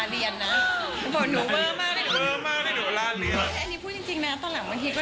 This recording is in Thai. ที่อยากใช่ไหม